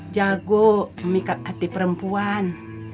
jago memikat hati perempuan